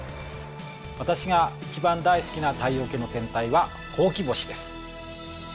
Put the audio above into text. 私が一番大好きな太陽系の天体はほうき星です。